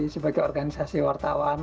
sebagai organisasi wartawan